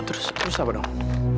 terus apa dong